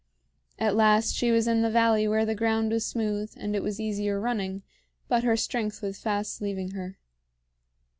At last she was in the valley where the ground was smooth and it was easier running, but her strength was fast leaving her.